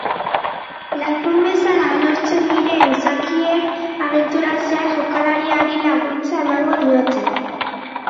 Lagun bezala lortzen diren izakiek abenturan zehar jokalariari laguntza emango diote.